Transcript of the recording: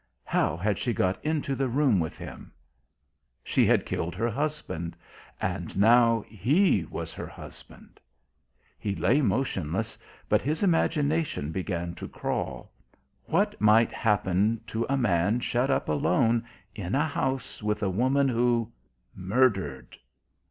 How had she got into the room with him? She had killed her husband. And now, he was her husband. He lay motionless, but his imagination began to crawl.... What might happen to a man shut up alone in a house with a woman who murdered?